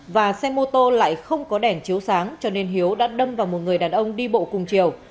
và xe mô tô lại không có đèn chiếu sáng cho nên hiếu đã đâm vào một người đàn ông đi bộ cùng chiều